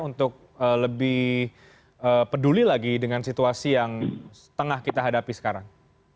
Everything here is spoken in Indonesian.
untuk lebih peduli lagi dengan situasi yang tengah kita hadapi sekarang